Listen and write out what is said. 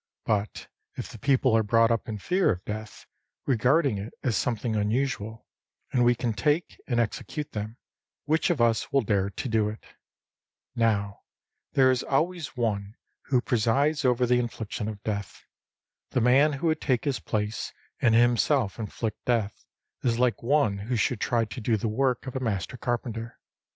But if the people are brought up in fear of death, regarding it as something unusual, and we can take and execute them, which of us will dare to do it ? Now, there is always One who presides over the infliction of death. The man who would take his place and himself inflict death, is like one who should try to do the work of a master carpenter.